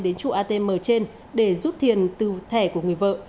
đến trụ atm trên để rút tiền từ thẻ của người vợ